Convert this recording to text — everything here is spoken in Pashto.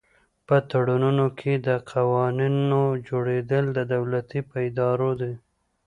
په تړونونو کې د قوانینو جوړول د دولتونو په اراده دي